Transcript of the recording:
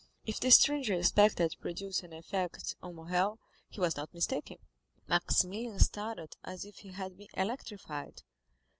If the stranger expected to produce an effect on Morrel, he was not mistaken—Maximilian started as if he had been electrified.